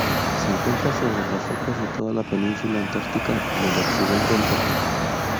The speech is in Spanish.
Se encuentra sobre las rocas de toda la península Antártica, en el continente antártico.